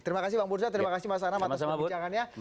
terima kasih bang bursa terima kasih mas anam atas perbincangannya